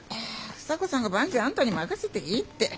房子さんが万事あんたに任せていいって。